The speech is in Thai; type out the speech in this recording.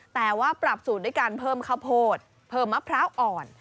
แต่ว่าปรับสูตรด้วยการเพิ่มข้าวโพดเพิ่มมะพร้าวอ่อน